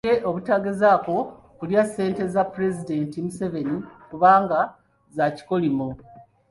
Abalabudde obutagezaako kulya ssente za Pulezidenti Museveni kubanga za kikolimo .